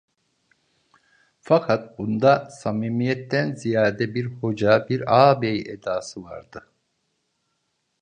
Fakat bunda samimiyetten ziyade bir hoca, bir ağabey edası vardı.